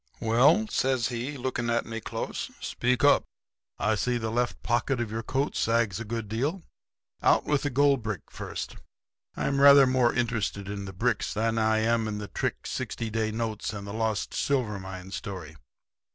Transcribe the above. "'Well,' says he, looking at me close, 'speak up. I see the left pocket of your coat sags a good deal. Out with the goldbrick first. I'm rather more interested in the bricks than I am in the trick sixty day notes and the lost silver mine story.'